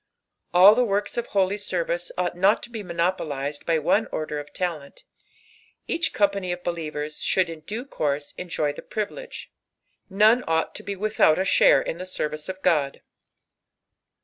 Ail Vie loorks qf holy ser^^ee ovght not to be raonopoiised bu one order qf laleyit, each company qf beiieoers should in due course enjoy the priirUrye, 2t ime ought to be mithoui a share in the service qf God.